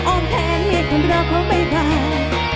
ออมแทนเนี่ยของเราเพราะใบบ่าย